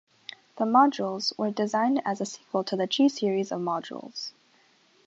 The modules were designed as a sequel to the G-series of modules.